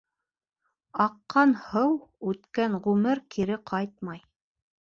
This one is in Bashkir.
Аҡҡан һыу, үткән ғүмер кире ҡайтмай.